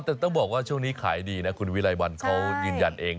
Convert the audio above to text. แต่ต้องบอกว่าช่วงนี้ขายดีนะคุณวิรัยวัลเขายืนยันเอง